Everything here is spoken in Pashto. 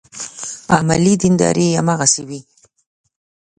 عملي دینداري هماغسې وي.